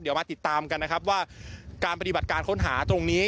เดี๋ยวมาติดตามกันนะครับว่าการปฏิบัติการค้นหาตรงนี้